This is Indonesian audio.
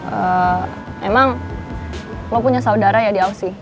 eee emang lo punya saudara ya di ausi